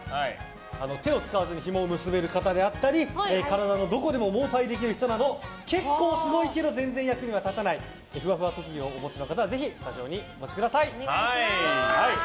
手を使わずにひもを結べる方であったり体のどこでも盲牌できる人など結構すごいけど全然役には立たないふわふわ特技をお持ちの方はぜひスタジオにお越しください。